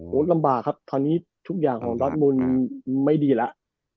ลำบากครับตอนนี้ทุกอย่างของดอสมุนไม่ดีแล้ว